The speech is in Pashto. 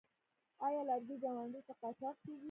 آیا لرګي ګاونډیو ته قاچاق کیږي؟